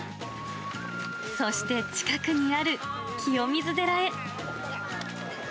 そして近くにある清水寺へ。